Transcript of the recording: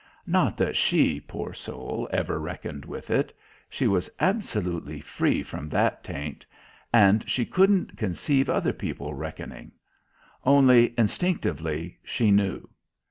Not that she, poor soul, ever reckoned with it; she was absolutely free from that taint, and she couldn't conceive other people reckoning. Only, instinctively, she knew.